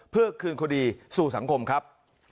เพื่อคืนคดีสู่สังคมครับ